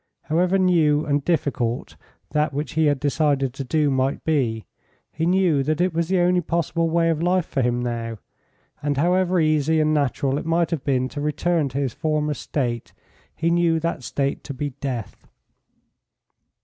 However new and difficult that which he had decided to do might be, he knew that it was the only possible way of life for him now, and however easy and natural it might have been to return to his former state, he knew that state to be death.